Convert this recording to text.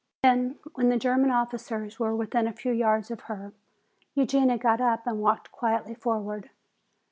Then when the German officers were within a few yards of her, Eugenia got up and walked quietly forward.